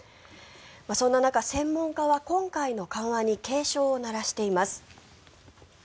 そんな中、専門家は今回の緩和に警鐘を鳴らしています。